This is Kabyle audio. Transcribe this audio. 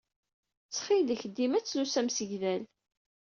Ttxil-k, dima ttlusu amsegdal.